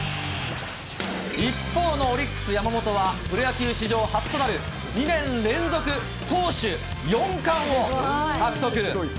一方のオリックス、山本はプロ野球史上初となる２年連続投手４冠を獲得。